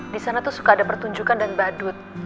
di sana tuh suka ada pertunjukan dan badut